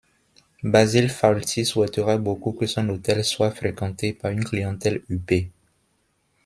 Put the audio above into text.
Basil Fawlty souhaiterait beaucoup que son hôtel soit fréquenté par une clientèle huppée.